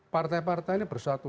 partai partai ini bersatu